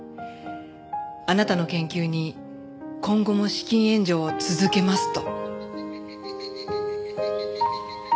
「あなたの研究に今後も資金援助を続けます」と。